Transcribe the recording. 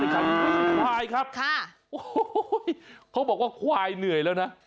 เป็นการเผดเปิดขวายคปครับโอ้โหโหพวกเขาก็บอกว่าขวายเหนื่อยแล้วนะ